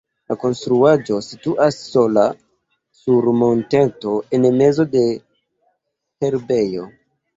La konstruaĵo situas sola sur monteto en mezo de herbejo.